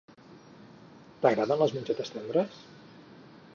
T'agraden les mongetes tendres?